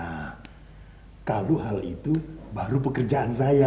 nah kalau hal itu baru pekerjaan saya